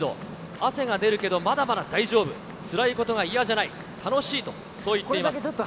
汗が出るけど、まだまだ大丈夫、つらいことが嫌じゃない、楽しいと、そう言っています。